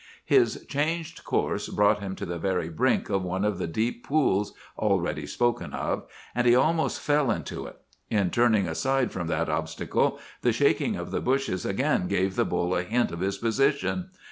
"His changed course brought him to the very brink of one of the deep pools already spoken of, and he almost fell into it. In turning aside from that obstacle, the shaking of the bushes again gave the bull a hint of his position.